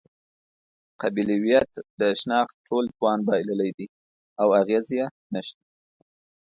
قبیلویت د شناخت ټول توان بایللی دی او اغېز یې نشته.